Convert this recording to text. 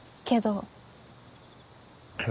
けど？